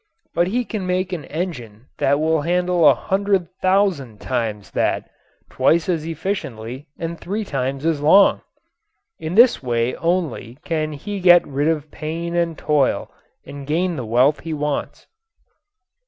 But he can make an engine that will handle a hundred thousand times that, twice as efficiently and three times as long. In this way only can he get rid of pain and toil and gain the wealth he wants.